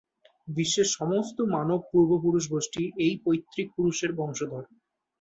বিশ্বের সমস্ত মানব পূর্বপুরুষ গোষ্ঠী এই পৈত্রিক পুরুষের বংশধর।